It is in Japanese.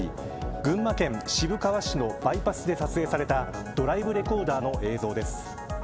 群馬県渋川市のバイパスで撮影されたドライブレコーダーの映像です。